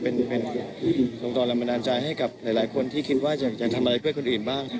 เป็นองค์กรแรงบันดาลใจให้กับหลายคนที่คิดว่าจะทำอะไรเพื่อคนอื่นบ้าง